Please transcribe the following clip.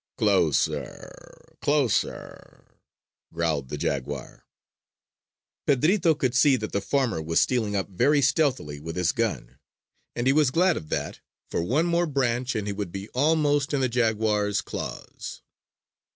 "Closer, closer!" growled the jaguar. Pedrito could see that the farmer was stealing up very stealthily with his gun. And he was glad of that, for one more branch and he would be almost in the jaguar's claws.